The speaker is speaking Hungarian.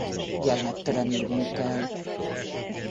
Gyermektelenül hunyt el.